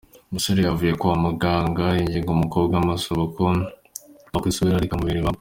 Umusore yavuye kwa muganga yinginga umukobwa amusaba ko yakwisubiraho ariko amubera ibamba.